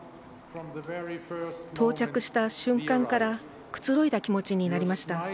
到着した瞬間からくつろいだ気持ちになりました。